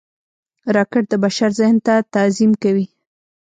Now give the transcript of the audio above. راکټ د بشر ذهن ته تعظیم کوي